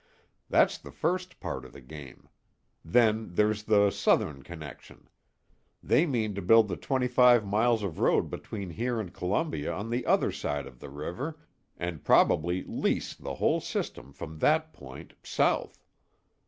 That's the first part of the game. Then there's the Southern connection. They mean to build the twenty five miles of road between here and Columbia on the other side of the river, and probably lease the whole system from that point, south.